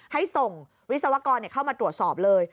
ให้ส่งวิศวกรเข้ามาตรวจสอบเลย